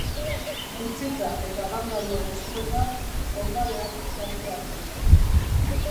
Utzita eta bandaloen eskuetan, ondareak galtzear daude.